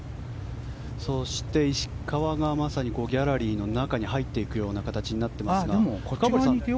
そして、石川がギャラリーの中に入っていく形になっていますが。